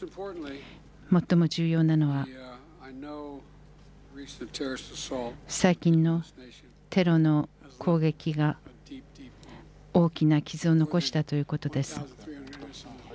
最も重要なのは最近のテロの攻撃が大きな傷を残したということです。